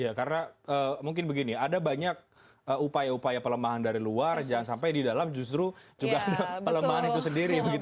ya karena mungkin begini ada banyak upaya upaya pelemahan dari luar jangan sampai di dalam justru juga ada pelemahan itu sendiri begitu